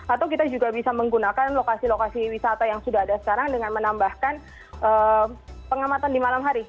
atau kita juga bisa menggunakan lokasi lokasi wisata yang sudah ada sekarang dengan menambahkan pengamatan di malam hari